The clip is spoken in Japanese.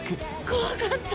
怖かった！